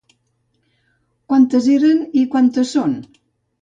Quantes eren i quantes són?